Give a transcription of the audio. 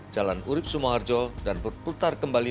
jalan urib sumoharjo dan berputar kembali